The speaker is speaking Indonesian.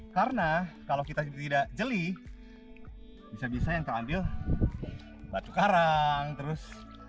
karena kalau kita tidak jeli bisa bisa yang terambil batu karang terus